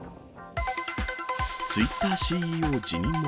ツイッターＣＥＯ辞任も？